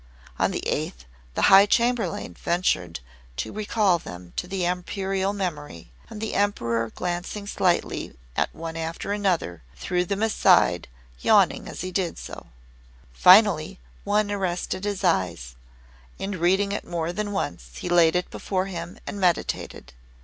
On the eighth the High Chamberlain ventured to recall them to the Imperial memory, and the Emperor glancing slightly at one after another, threw them aside, yawning as he did so. Finally, one arrested his eyes, and reading it more than once he laid it before him and meditated.